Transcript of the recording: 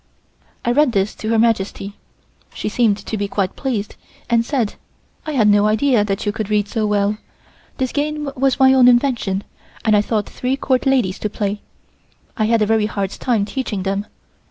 I read this to Her Majesty. She seemed to be quite pleased, and said: "I had no idea that you could read so well. This game was my own invention and I taught three Court ladies to play. I had a very hard time teaching them.